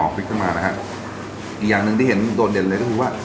พลิกขึ้นมานะฮะอีกอย่างหนึ่งที่เห็นโดดเด่นเลยก็คือว่า